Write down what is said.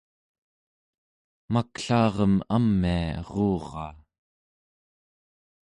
maklaarem amia eruraa